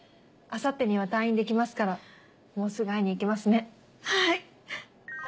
あさってには退院できますからもうすぐ会いに行けますね。